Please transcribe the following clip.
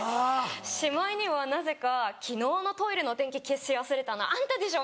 しまいにはなぜか「昨日のトイレの電気消し忘れたのあんたでしょ！」